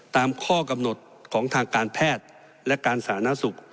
ตามข้อกำหนดของทางการแพทย์และการสาธารณสุข